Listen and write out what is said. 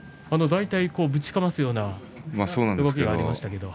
大体ぶちかますような動きがありましたけど。